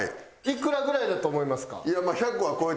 いくらぐらいだと思いますか？